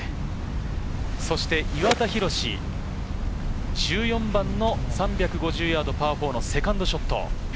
岩田寛、１４番の３５０ヤード、パー４のセカンドショット。